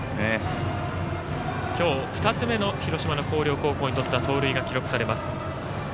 今日２つ目の広島の広陵高校にとっては盗塁が記録されます。